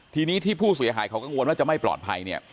ทีนี้ที่ผู้เสียหายเขากังวลว่าจะไม่ปลอดภัยเนี่ย